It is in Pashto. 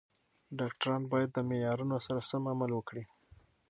ډاکټران باید د معیارونو سره سم عمل وکړي.